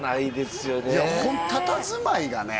いやたたずまいがね